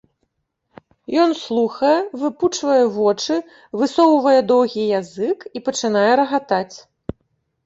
Ён слухае, выпучвае вочы, высоўвае доўгі язык і пачынае рагатаць.